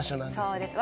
そうです。